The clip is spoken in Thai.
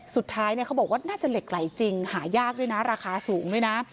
เขาบอกว่าน่าจะเหล็กไหลจริงหายากด้วยนะราคาสูงด้วยนะ